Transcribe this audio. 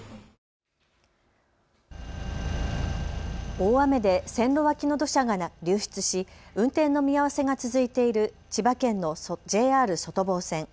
大雨で線路脇の土砂が流出し運転の見合わせが続いている千葉県のＪＲ外房線。